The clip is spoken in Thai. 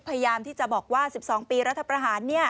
พยายามที่จะบอกว่า๑๒ปีรัฐประหาร